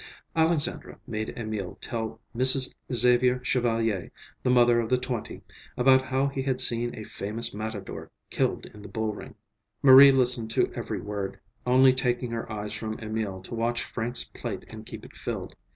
Alexandra made Emil tell Mrs. Xavier Chevalier, the mother of the twenty, about how he had seen a famous matador killed in the bull ring. Marie listened to every word, only taking her eyes from Emil to watch Frank's plate and keep it filled.